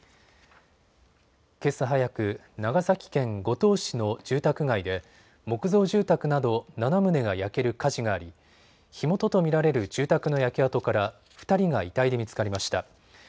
けさ早く長崎県五島市の住宅街で木造住宅など７棟が焼ける火事があり、火元と見られる住宅の焼け跡から２人が遺体で見つかりました。